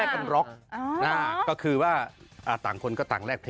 อาทารที่สุดอยากให้ฝากผลงานเลยเนอะ